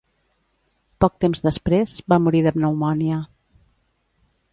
Poc temps després, va morir de pneumònia.